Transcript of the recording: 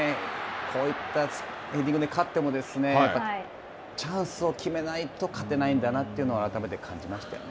こういった、ヘディングで勝っても、やっぱりチャンスを決めないと勝てないんだなというのを改めて感じましたよね。